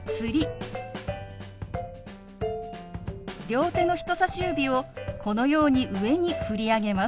両手の人さし指をこのように上に振り上げます。